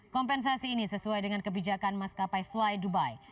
kompensasi ini sesuai dengan kebijakan maskapai fly dubai